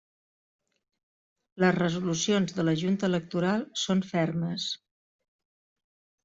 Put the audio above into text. Les resolucions de la Junta Electoral són fermes.